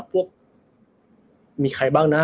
พวกมีใครบ้างนะ